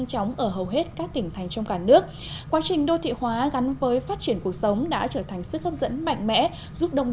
thêm những câu chuyện đô thị những câu chuyện